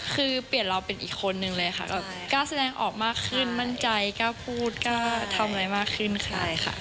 คือเปลี่ยนเราเป็นอีกคนนึงเลยค่ะ